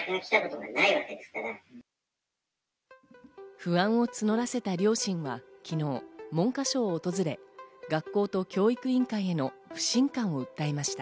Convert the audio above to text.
不安を募らせた両親は昨日、文科省を訪れ、学校と教育委員会への不信感を訴えました。